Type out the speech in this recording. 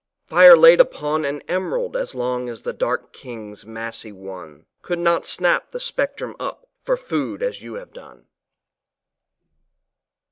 Fire laid upon an emerald as long as the Dark King's massy one, could not snap the spectrum up for food as you have done.